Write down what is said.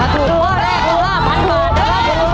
ถูก